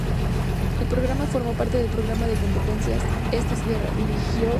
El programa formó parte del programa de competencias "Esto es guerra" dirigido a adolescentes.